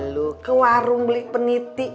loh ke warung beli peniti